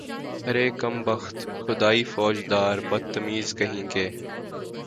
ارے کم بخت، خدائی فوجدار، بدتمیز کہیں کے